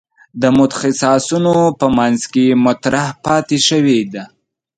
د متخصصانو په منځ کې مطرح پاتې شوې ده.